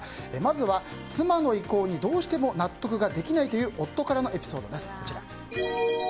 まずは妻の意向にどうしても納得ができないという夫からのエピソードです。